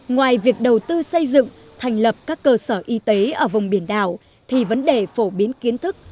ngoài việc đầu tư xây dựng thành lập các cơ sở y tế ở vùng biển đảo thì vấn đề phổ biến kiến thức